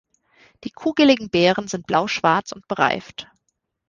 Die kugeligen Beeren sind blauschwarz und bereift.